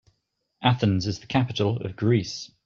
Athens is the capital of Greece.